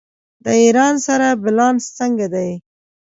د ایران سره بیلانس څنګه دی؟